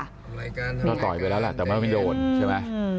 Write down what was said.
ทำรายการทำรายการต่อยไปแล้วล่ะแต่ไม่รู้ว่าเป็นโดรนใช่ไหม